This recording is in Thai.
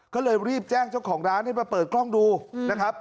ก็เลยรีบแจ้งเจ้าของร้านให้มาเปิดกล้องดูนะครับ